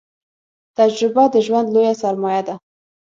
تجربه د ژوند لويه سرمايه ده